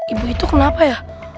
ibu itu kenapa ya